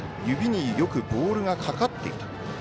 指によくボールがかかっていた。